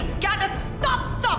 nggak ada stop stop